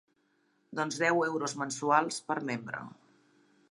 Doncs deu euros mensuals per membre.